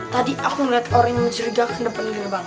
tadi aku liat orang yang mencurigakan depan diri banget